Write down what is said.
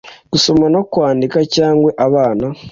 Gusoma no kwandika cyangwa abana